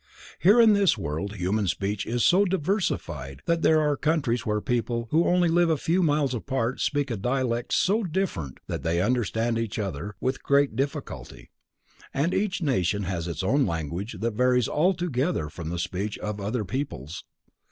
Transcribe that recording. Here in this World human speech is so diversified that there are countries where people who live only a few miles apart speak a dialect so different that they understand each other with great difficulty, and each nation has its own language that varies altogether from the speech of other peoples.